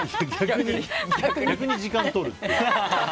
逆に時間とるっていう。